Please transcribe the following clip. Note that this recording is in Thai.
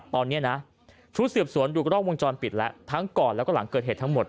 ตอนนี้นะชุดสืบสวนดูกล้องวงจรปิดแล้วทั้งก่อนแล้วก็หลังเกิดเหตุทั้งหมด